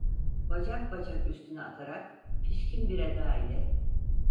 Bacak bacak üstüne atarak, pişkin bir eda ile: